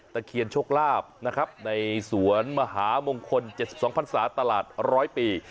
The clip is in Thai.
เคียนโชคลาภนะครับในสวนมหามงคล๗๒พันศาตลาด๑๐๐ปี